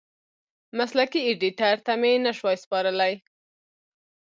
مسلکي ایډېټر ته مې نشوای سپارلی.